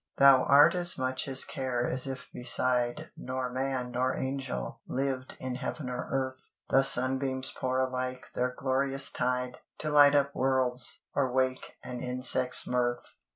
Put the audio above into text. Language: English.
"Thou art as much His care as if beside Nor man nor angel lived in Heaven or earth; Thus sunbeams pour alike their glorious tide, To light up worlds, or wake an insect's mirth."